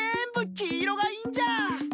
きいろがいいんじゃー。